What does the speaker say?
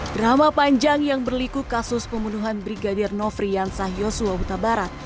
drama panjang yang berliku kasus pembunuhan brigadir nofriansa yoso hota barat